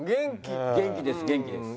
元気です元気です。